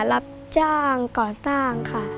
รับจ้างก่อสร้างค่ะ